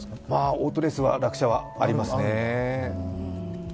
オートレースは落車はありますね。